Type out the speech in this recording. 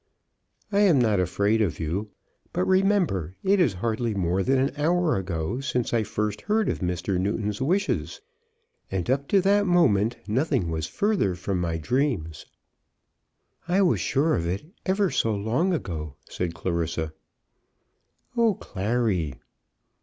"I am not afraid of you. But, remember, it is hardly more than an hour ago since I first heard of Mr. Newton's wishes, and up to that moment nothing was further from my dreams." "I was sure of it, ever so long ago," said Clarissa. "Oh, Clary!"